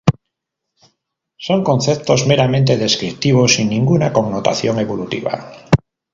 Son conceptos meramente descriptivos, sin ninguna connotación evolutiva.